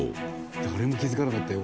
誰も気づかなかったよ